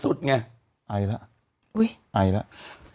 ฟังลูกครับ